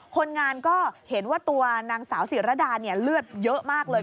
คนงานก็เห็นว่าตัวนางสาวศิรดาเลือดเยอะมากเลย